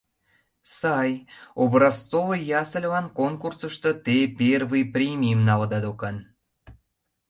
Сай, образцовый ясльылан конкурсышто те первый премийым налыда докан.